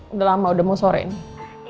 udah lama udah mau sore nih